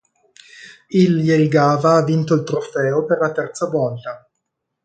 Il Jelgava ha vinto il trofeo per la terza volta.